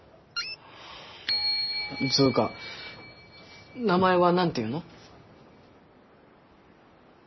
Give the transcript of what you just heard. つうか名前は何ていうの？